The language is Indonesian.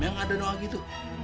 mie gak ada doa gitu